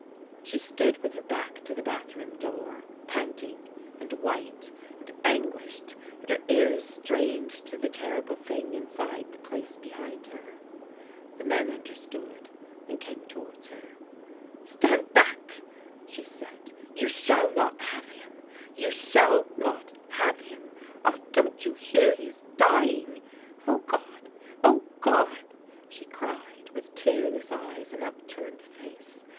She stood with her back to the bathroom door, panting, and white, and anguished, and her ears strained to the terrible thing inside the place behind her. The men understood, and came towards her. Stand back! " she said. " You shall not have him. You shall not have him. Ah, don't you hear! He is dying! Oh, God! oh, God!" she cried, with tearless eyes and upturned face.